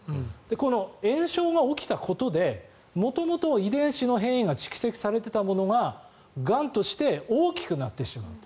この炎症が起きたことで元々、遺伝子の変異が蓄積されていたものががんとして大きくなってしまうと。